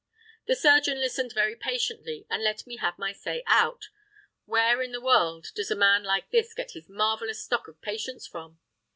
The surgeon listened very patiently and let me have my say out. (Where in the world does a man like this get his marvellous stock of patience from!)